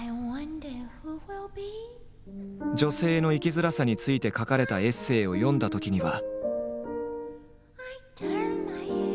女性の生きづらさについて書かれたエッセーを読んだときには。